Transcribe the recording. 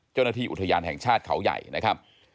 เจ้าหน้าที่อุทยานแห่งชาติเขาใหญ่นะครับ